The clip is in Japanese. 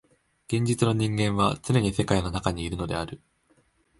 現実の人間はつねに世界の中にいるのである。